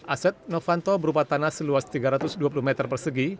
aset novanto berupa tanah seluas tiga ratus dua puluh meter persegi